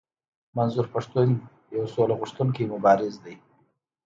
منظور پښتون يو سوله غوښتونکی مبارز دی.